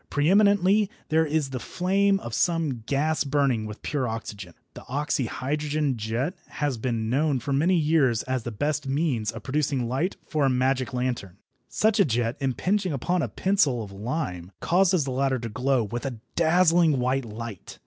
Pre eminently there is the flame of some gas burning with pure oxygen. The oxyhydrogen jet has been known for many years as the best means of producing the light for a magic lantern. Such a jet impinging upon a pencil of lime causes the latter to glow with a dazzling white light.